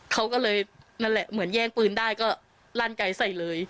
เขาก็เลยนั่นแหละเหมือนแย่งปืนได้ก็ลั่นไกลใส่เลย